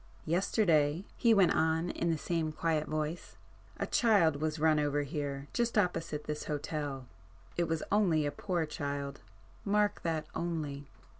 "Yesterday," he went on in the same quiet voice—"a child was run over here, just opposite this hotel. It was only a poor child,—mark that 'only.